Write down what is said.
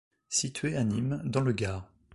Situé à Nîmes dans le Gard.